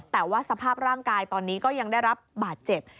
แต่ว่าสภาพร่างกายตอนนี้ก็ยังได้รับบาดเจ็บ